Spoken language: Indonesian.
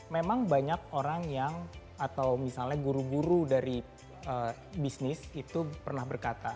memang banyak orang yang atau misalnya guru guru dari bisnis itu pernah berkata